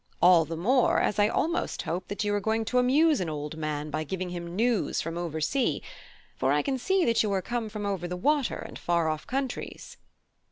All the more, as I almost hope that you are going to amuse an old man by giving him news from over sea, for I can see that you are come from over the water and far off countries."